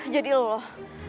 jadi lu loh